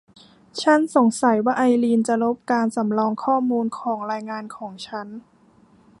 ฉันสงสัยว่าไอรีนจะลบการสำรองข้อมูลของรายงานของฉัน